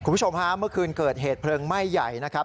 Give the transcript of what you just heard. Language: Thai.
คุณผู้ชมฮะเมื่อคืนเกิดเหตุเพลิงไหม้ใหญ่นะครับ